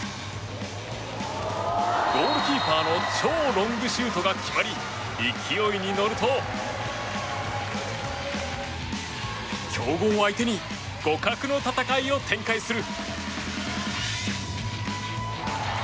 ゴールキーパーの超ロングシュートが決まり勢いに乗ると強豪相手に互角の戦いを展開する。